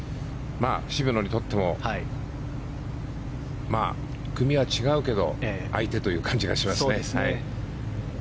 渋野にとっても、組は違うけど相手という感じがしますね。